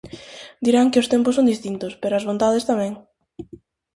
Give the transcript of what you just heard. Dirán que os tempos son distintos, pero as vontades tamén.